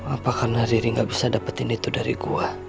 apa karena riri gak bisa dapetin itu dari gua